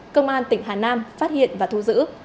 công an tỉnh hà nam phát hiện và thu giữ